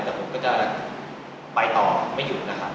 แต่ผมก็จะไปต่อไม่หยุดนะครับ